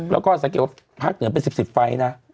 แล้วก็สังเกตว่าภาคเหนือเป็น๑๐ไฟล์นะ